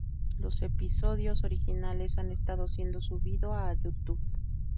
Los episodios originales han estado siendo subido a YouTube.